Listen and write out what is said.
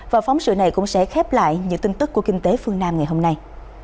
và phóng sự này cũng sẽ khép lại những tin tức của kinh tế phương nam ngày hôm nay